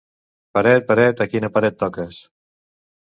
Peret, Peret, a quina paret toques?